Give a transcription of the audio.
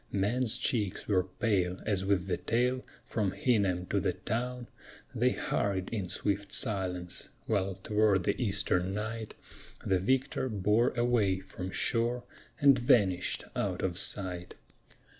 Men's cheeks were pale as with the tale from Hingham to the town They hurried in swift silence, while toward the eastern night The victor bore away from shore and vanished out of sight.